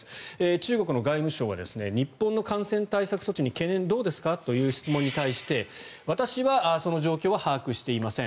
中国の外務省は日本の感染対策措置に懸念どうですか？という質問に対して私はその状況は把握していません。